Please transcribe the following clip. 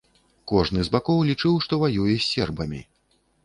Кожны з бакоў лічыў, што ваюе з сербамі.